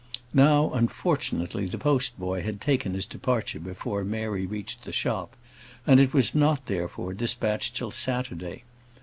Now, unfortunately, the post boy had taken his departure before Mary reached the shop, and it was not, therefore, dispatched till Saturday.